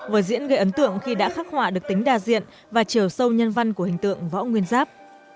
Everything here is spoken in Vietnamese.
vở diễn gây ấn tượng khi đã khắc họa được tính đa diện và chiều sâu nhân văn của hình tượng võ nguyên giáp